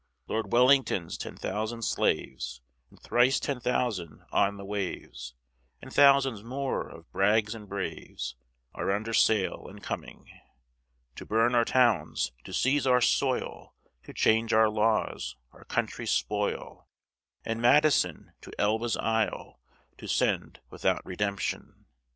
Lord Wellington's ten thousand slaves, And thrice ten thousand, on the waves, And thousands more of brags and braves Are under sail, and coming, To burn our towns, to seize our soil, To change our laws, our country spoil, And Madison to Elba's isle To send without redemption.